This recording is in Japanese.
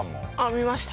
見ました